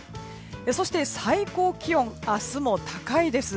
そして、最高気温明日も高いです。